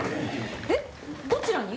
えっどちらに？